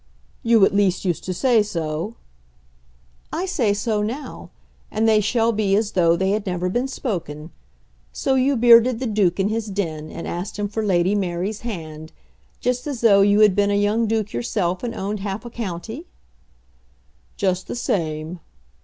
"You at least used to say so." "I say so now, and they shall be as though they had been never spoken. So you bearded the Duke in his den, and asked him for Lady Mary's hand, just as though you had been a young Duke yourself and owned half a county?" "Just the same."